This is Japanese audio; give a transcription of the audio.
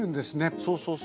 そうそうそう。